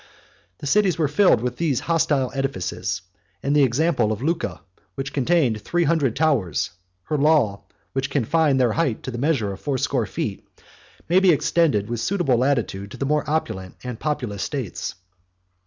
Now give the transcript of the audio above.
The cities were filled with these hostile edifices; and the example of Lucca, which contained three hundred towers; her law, which confined their height to the measure of fourscore feet, may be extended with suitable latitude to the more opulent and populous states.